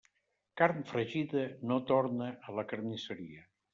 Carn fregida no torna a la carnisseria.